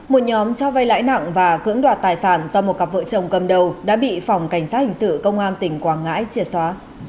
một nhóm cho vay lãi nặng và cưỡng đoạt tài sản do một cặp vợ chồng cầm đầu đã bị phòng cảnh sát hình sự công an tỉnh quảng ngãi triệt xóa